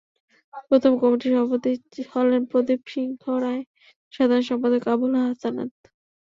প্রথম কমিটির সভাপতি হলেন প্রদীপ সিংহ রায়, সাধারণ সম্পাদক আবুল হাসানাত।